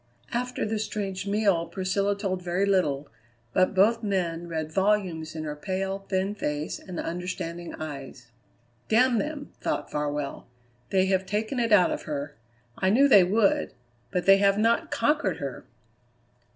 After the strange meal Priscilla told very little, but both men read volumes in her pale, thin face and understanding eyes. "Damn them!" thought Farwell; "they have taken it out of her. I knew they would; but they have not conquered her!"